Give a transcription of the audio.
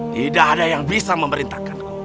tidak ada yang bisa memerintahkanku